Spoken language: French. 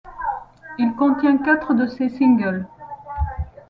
Il contient quatre de ses singles.